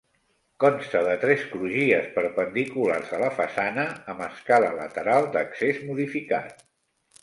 Consta de tres crugies perpendiculars a la façana amb escala lateral d'accés modificat.